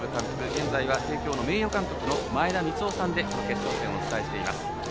現在は帝京の名誉監督の前田三夫さんでこの決勝戦をお伝えしています。